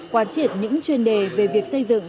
quan triển những chuyên đề về việc xây dựng